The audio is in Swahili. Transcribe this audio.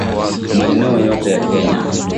Maeneo yote Kenya